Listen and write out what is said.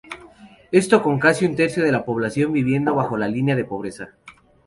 Esto con casi un tercio de la población viviendo bajo la línea de pobreza.